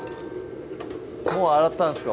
もう洗ったんすか？